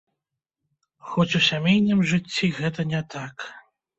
Хоць у сямейным жыцці гэта не так.